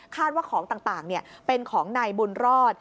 ว่าของต่างเป็นของนายบุญรอด